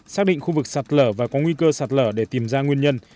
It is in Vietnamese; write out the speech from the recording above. xác định khu vực sạt lở và có nguy cơ sạt lở để tìm ra nguyên nhân